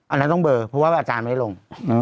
อันนั้นต้องเบอร์เพราะว่าอาจารย์ไม่ลง